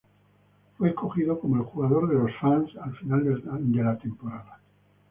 Fue escogido como el 'Jugador de los fans' al final de la temporada.